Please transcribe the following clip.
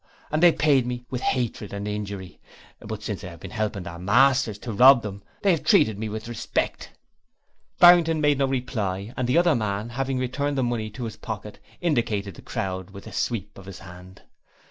And they paid me with hatred and injury. But since I have been helping their masters to rob them, they have treated me with respect.' Barrington made no reply and the other man, having returned the money to his pocket, indicated the crowd with a sweep of his hand.